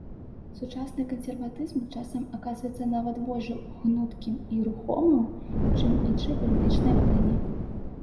Сучасны кансерватызм часам аказваецца нават больш гнуткім і рухомым, чым іншыя палітычныя плыні.